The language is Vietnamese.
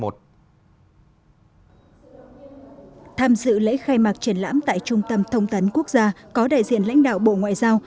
tham dự lễ khai mạc triển lãm tại trung tâm thông tấn quốc gia có đại diện lãnh đạo bộ ngoại giao